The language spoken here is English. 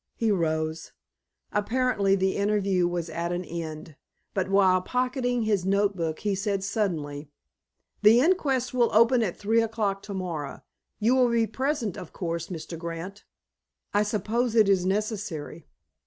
He rose. Apparently, the interview was at an end. But, while pocketing his note book, he said suddenly:— "The inquest will open at three o'clock tomorrow. You will be present, of course, Mr. Grant?" "I suppose it is necessary."